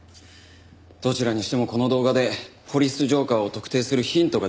どちらにしてもこの動画で「ポリス浄化ぁ」を特定するヒントが出ました。